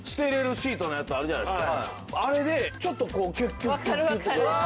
あれでちょっとこうキュッキュッキュッキュッ。